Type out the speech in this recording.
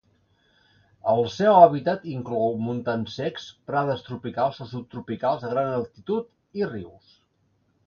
El seu hàbitat inclou montans secs, prades tropicals o subtropicals a gran altitud i rius.